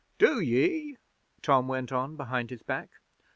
'Do ye?' Tom went on behind his back.